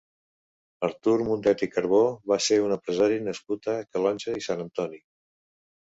Artur Mundet i Carbó va ser un empresari nascut a Calonge i Sant Antoni.